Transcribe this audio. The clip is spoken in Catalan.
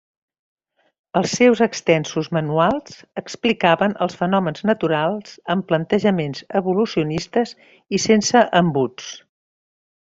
Els seus extensos manuals explicaven els fenòmens naturals amb plantejaments evolucionistes i sense embuts.